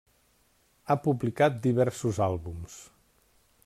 Ha publicat diversos àlbums.